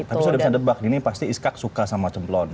tapi sudah bisa tebak nih ini pasti iskak suka sama cemplon